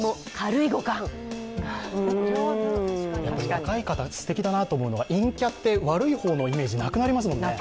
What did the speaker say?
若い方、すてきだなと思うのは、陰キャって悪い方のイメージじゃなくなりますもんね。